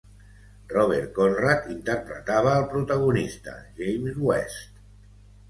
Robert Conrad interpretava al protagonista, James West.